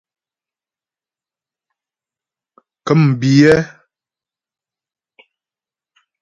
Ŋkə̂mbiyɛ́.